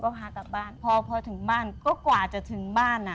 ก็พากลับบ้านพอพอถึงบ้านก็กว่าจะถึงบ้านอ่ะ